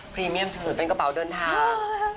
พรีเมียมสุดเป็นกระเป๋าเดินทาง